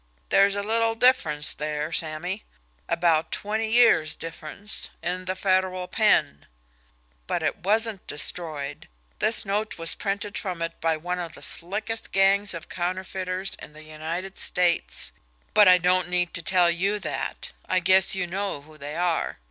"There's a little difference there, Sammy about twenty years' difference in the Federal pen. But it wasn't destroyed; this note was printed from it by one of the slickest gangs of counterfeiters in the United States but I don't need to tell you that, I guess you know who they are.